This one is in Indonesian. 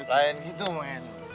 lain gitu men